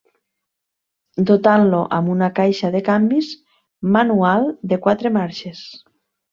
Dotant-lo amb una caixa de canvis manual de quatre marxes.